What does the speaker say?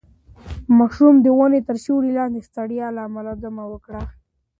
ماشوم د ونې تر سیوري لاندې د ستړیا له امله دمه وکړه.